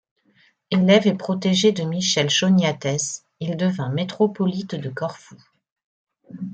Élève et protégé de Michel Choniatès, il devint métropolite de Corfou.